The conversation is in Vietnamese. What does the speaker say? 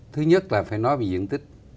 thứ nhất là phải nói về diện tích